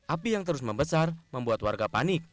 api yang terus membesar membuat warga panik